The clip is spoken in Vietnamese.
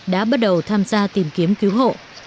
đã bắt đầu tham gia tìm kiếm cứu hộ